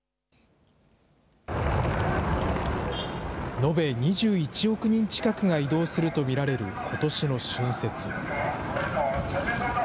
延べ２１億人近くが移動すると見られることしの春節。